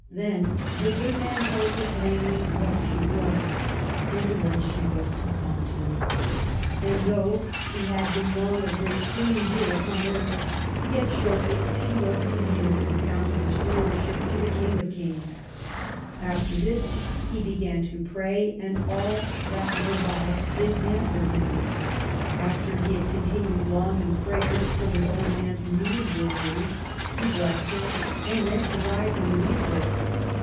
Then the good man told her plainly what she was, and what she was to come to ; and though she had LAST YEARS OF ELIZABETH, 303 been long a great Queen here upon earth, yet shortly she was to yield an account of her stewardship to the King of kings. After this he began to pray, and all that were by did answer him. After he had continued long in prayer, till the old man's knees were weary, he blessed her and meant to rise and leave her.